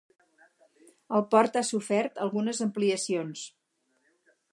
El port ha sofert algunes ampliacions.